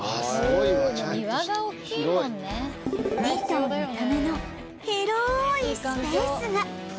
２頭のための広いスペースが